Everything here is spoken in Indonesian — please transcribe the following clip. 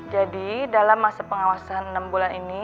jadi dalam masa pengawasan enam bulan ini